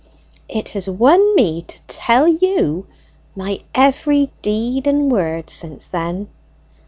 It has won me to tell you my every deed and word since then.